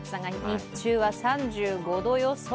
日中は３５度予想。